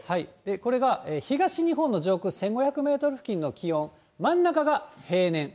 これが東日本の上空１５００メートル付近の気温、真ん中が平年。